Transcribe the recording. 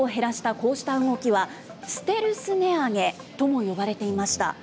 こうした動きは、ステルス値上げとも呼ばれていました。